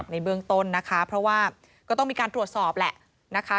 ในเบื้องต้นนะคะเพราะว่าก็ต้องมีการตรวจสอบแหละนะคะ